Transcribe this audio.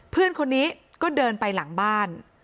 เพื่อนคนนี้ก็เดินไปหลังบ้าน